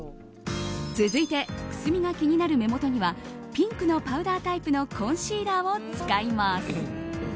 続いて、くすみが気になる目元にはピンクのパウダータイプのコンシーラーを使います。